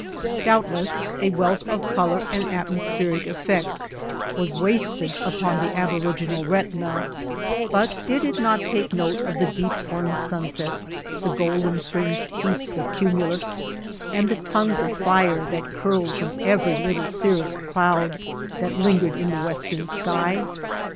Doubtless, a wealth of color and atmospheric effect was wasted upon the aboriginal retina ; but did it not take note of the deep orange sunsets, the golden fringed heaps of cumulus, and the tongues of fire that curled from every little cirrus cloud that lin gered in the western sky